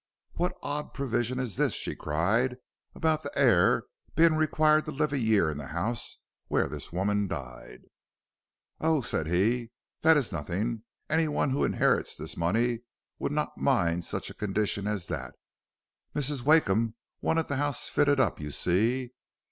"What odd provision is this," she cried, "about the heir being required to live a year in the house where this woman died?" "Oh," said he, "that is nothing; any one who inherits this money would not mind such a condition as that. Mrs. Wakeham wanted the house fitted up, you see.